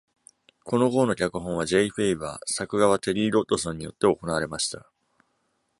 この号の脚本はジェイ・フェイバー、作画はテリー・ドッドソンによって行われました。